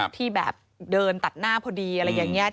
ที่แบบเดินตัดหน้าพอดีอะไรอย่างนี้